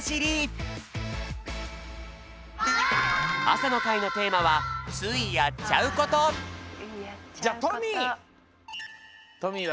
朝の会のテーマは「ついやっちゃうこと」じゃあトミー！